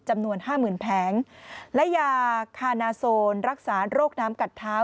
จำนวน๕๐๐๐๐แผงและยาคานาโซนรักษารกน้ำกัดเท้า